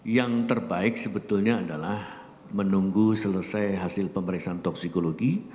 yang terbaik sebetulnya adalah menunggu selesai hasil pemeriksaan toksikologi